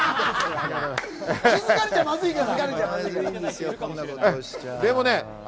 気づかれちゃ、まずいから！